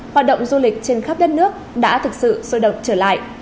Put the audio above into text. hoạt động du lịch trên khắp đất nước đã thực sự sôi động trở lại